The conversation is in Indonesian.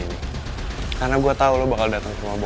menurut mbak brerno biasanya di sini opel penges